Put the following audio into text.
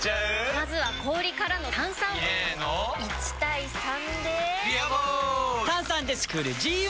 まずは氷からの炭酸！入れの１：３で「ビアボール」！